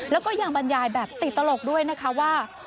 แล้วก็ยังบรรยายแบบติดตลกด้วยนะคะว่า